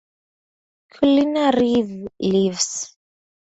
Culinary leaves.